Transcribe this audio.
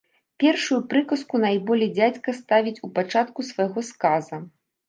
Першую прыказку найболей дзядзька ставіць у пачатку свайго сказа.